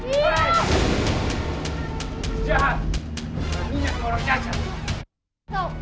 kegelas kau orang jajan